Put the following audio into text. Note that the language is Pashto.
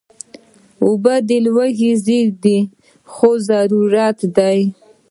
اوبه د لوږې ضد نه دي، خو ضرورت دي